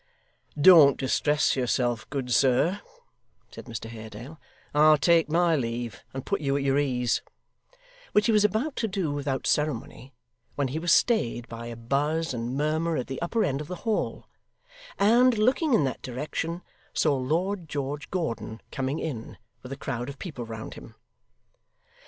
'Don't distress yourself, good sir,' said Mr Haredale, 'I'll take my leave, and put you at your ease ' which he was about to do without ceremony, when he was stayed by a buzz and murmur at the upper end of the hall, and, looking in that direction, saw Lord George Gordon coming in, with a crowd of people round him.